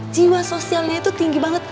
jiwa sosialnya itu tinggi banget